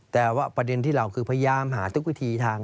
แต่ว่าประเด็นที่เราคือพยายามหาทุกวิธีทาง